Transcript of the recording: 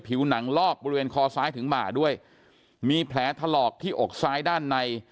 หนังลอกบริเวณคอซ้ายถึงหมาด้วยมีแผลถลอกที่อกซ้ายด้านใน